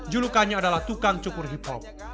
julukannya adalah tukang cukur hip hop